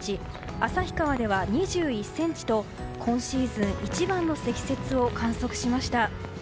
旭川では２１ｃｍと今シーズン一番の積雪を観測しました。